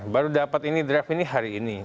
baru dapat ini draft ini hari ini